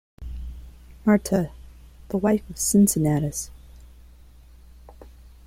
Marthe- The wife of Cincinnatus.